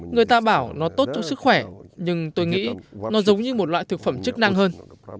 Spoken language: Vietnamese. người ta bảo nó tốt cho sức khỏe nhưng tôi nghĩ nó giống như một loại thực phẩm chức năng hơn